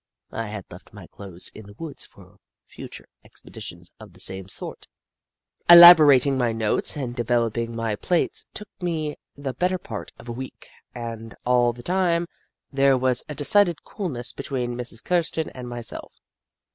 I had left my clothes in the woods for future expeditions of the same sort. Elaborating my notes and developing my plates took me the better part of a week, and all the time, there was a decided coolness between Mrs. Kirsten and myself.